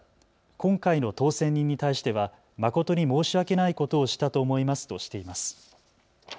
今回の当選人に対しては誠に申し訳ないことをしたと思いますとしています。